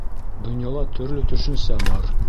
Донъяла төрлө төшөнсә бар.